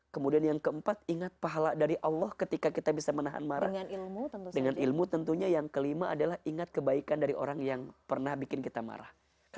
kemudian yang keempat ingat pahala dari allah ketika kita bisa menahan marah